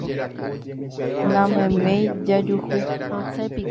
Nameméi jajuhu